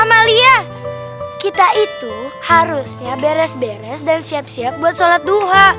amalia kita itu harusnya beres beres dan siap siap buat sholat duha